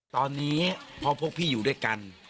ตอนนี้พอพวกพี่อยู่ด้วยกัน